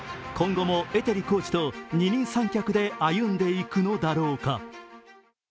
今後もエテリコーチと二人三脚で歩んでいくのだろうか。